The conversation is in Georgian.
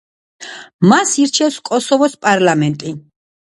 მას ირჩევს კოსოვოს პარლამენტი.